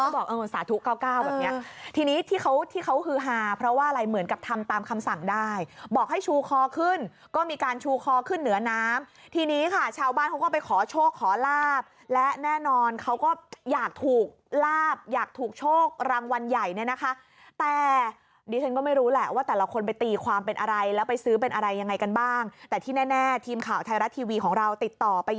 พิธีที่เขาที่เขาคือหาเพราะว่าอะไรเหมือนกับธรรมตามคำสั่งได้บอกให้ชูคอขึ้นก็มีการชูคอขึ้นเหนือน้ำทีนี้ค่ะชาวบ้านเขาก็ไปขอโชคขอลาบและแน่นอนเขาก็อยากถูกลาบอยากถูกโชครางวัลใหญ่เนี่ยนะคะแต่ดิฉันก็ไม่รู้แหละว่าแต่ละคนไปตีความเป็นอะไรแล้วไปซื้อเป็นอะไรยังไงกันบ้างแต่ที่แน่ทีมข่าวไทย